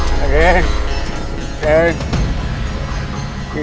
aduh aduh aduh